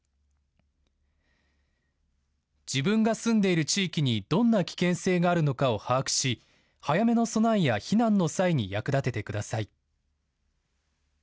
自分が住んでいる地域にどんな危険性があるのかを把握し早めの備えや避難の際に役立ててください。